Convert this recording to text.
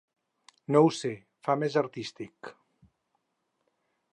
No ho sé, fa més artístic.